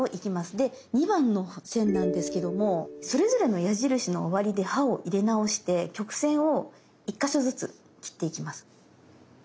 で２番の線なんですけどもそれぞれの矢印の終わりで刃を入れ直して曲線を１か所ずつ切っていきます。